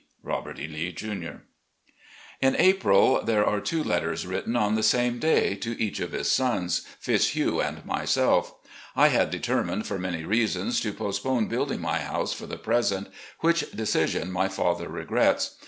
"Robert E. Lee, Jr." In April, there are two letters written on the same day, to each of his sons, Fitzhugh and myself. I had deter mined for many reasons to postpone building my house for the present, which decision my father regrets.